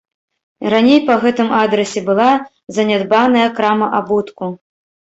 Раней па гэтым адрасе была занядбаная крама абутку.